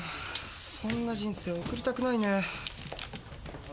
そんな人生送りたくないね。